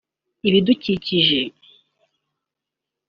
ibidukikije